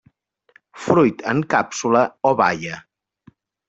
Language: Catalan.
Fruit en càpsula o baia.